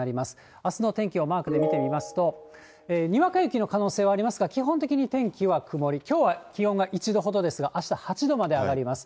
あすの天気をマークで見てみますと、にわか雪の可能性はありますが、基本的に天気は曇り、きょうは気温が１度ほどですが、あした８度まで上がります。